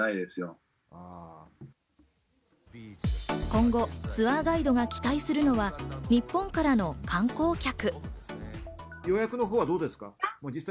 今後、ツアーガイドが期待するのは日本からの観光客。